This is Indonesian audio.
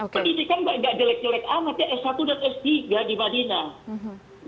pendidikan nggak jelek jelek amat ya s satu dan s tiga di madinah